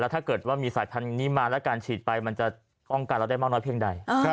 ถ้าเกิดว่ามีสายพันธุ์นี้มาและการฉีดไปมันจะป้องกันเราได้มากน้อยเพียงใด